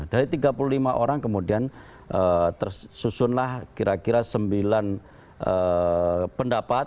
dari tiga puluh lima orang kemudian tersusunlah kira kira sembilan pendapat